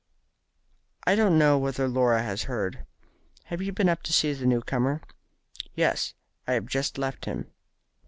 "I don't know whether Laura has heard. Have you been up to see the new comer?" "Yes; I have just left him."